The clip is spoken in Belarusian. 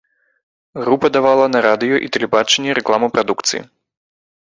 Група давала на радыё і тэлебачанне рэкламу прадукцыі.